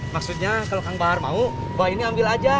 maksudnya kalau kang bahar mau bawa ini ambil aja